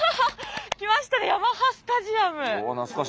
来ましたねヤマハスタジアム。